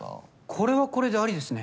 これはこれでありですね。